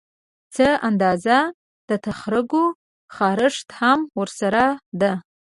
څه اندازه د تخرګو خارښت هم ورسره ده